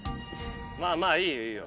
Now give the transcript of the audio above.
まあまあいいよいいよ。